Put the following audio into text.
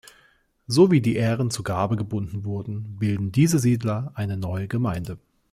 So wie die Ähren zur Garbe gebunden wurden, bilden diese Siedler eine neue Gemeinde.